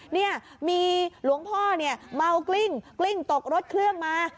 เนี่ยมีหลวงพ่อเนี่ยเมากลิ้งกลิ้งตกรถเครื่องมา